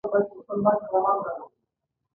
مشران وایي، وږی چې موړ شي، نورو ته په سپکه سترگه گوري.